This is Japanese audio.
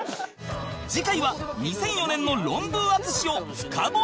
次回は２００４年のロンブー淳を深掘り